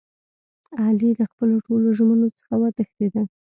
علي له خپلو ټولو ژمنو څخه و تښتېدا.